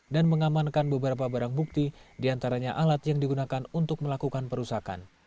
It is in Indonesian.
dan mengamankan beberapa barang bukti diantaranya alat yang digunakan untuk melakukan perusahaan